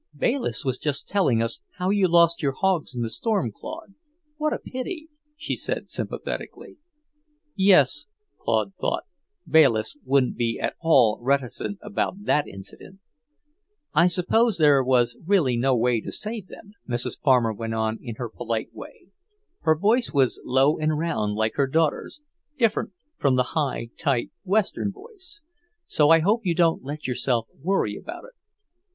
"Bayliss was just telling us how you lost your hogs in the storm, Claude. What a pity!" she said sympathetically. Yes, Claude thought, Bayliss wouldn't be at all reticent about that incident! "I suppose there was really no way to save them," Mrs. Farmer went on in her polite way; her voice was low and round, like her daughter's, different from the high, tight Western voice. "So I hope you don't let yourself worry about it."